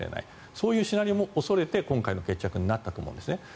そういうシナリオを恐れて今回のようなことになったわけですね。